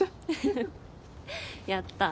フフフやった。